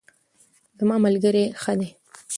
زما ملګرۍ ښه دی